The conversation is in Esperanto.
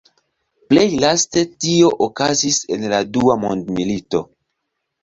Plej laste tio okazis en la Dua Mondmilito.